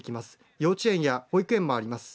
幼稚園や保育園もあります。